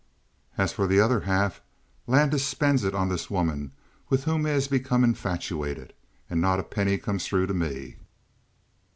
As for the other half, Landis spends it on this woman with whom he has become infatuated. And not a penny comes through to me!"